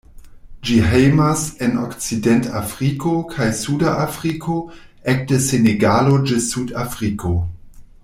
Ĝi hejmas en Okcidentafriko kaj suda Afriko, ekde Senegalo ĝis Sud-Afriko.